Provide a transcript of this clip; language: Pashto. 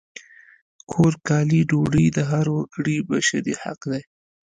کور، کالي، ډوډۍ د هر وګړي بشري حق دی!